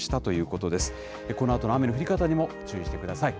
このあとの雨の降り方にも注意してください。